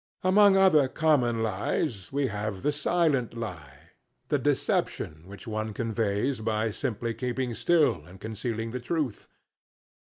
Among other common lies, we have the silent lie the deception which one conveys by simply keeping still and concealing the truth.